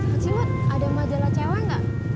kak cimut ada majalah cewek gak